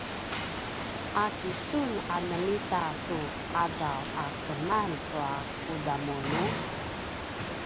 a kisun a ljemita tu qadaw a keman tua kudamunu?